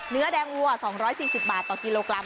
เนื้อแดงวัวสองร้อยสี่สิบบาทต่อกิโลกรัม